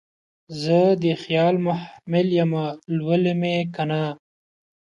زه دخیال محمل یمه لولی مې کنه